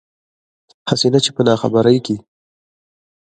هسې نه چې پۀ ناخبرۍ کښې